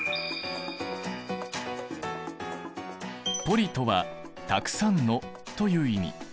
ポリとは「たくさんの」という意味。